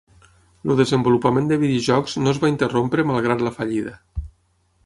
El desenvolupament de videojocs no es va interrompre malgrat la fallida.